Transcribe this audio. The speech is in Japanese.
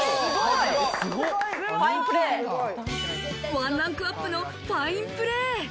ワンランクアップのファインプレー。